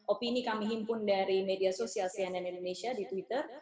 opini kami himpun dari media sosial cnn indonesia di twitter